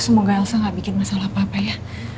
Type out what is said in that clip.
semoga elsa gak bikin masalah apa apa ya